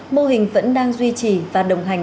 mô hình vẫn đang duy trì và đồng hành